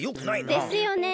ですよね。